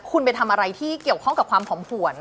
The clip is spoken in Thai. คุณไปทำอะไรที่เกี่ยวข้องกับความผอมผวน